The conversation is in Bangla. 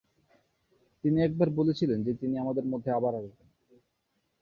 তিনি একবার বলেছিলেন যে, তিনি আমাদের মধ্যে আবার আসবেন।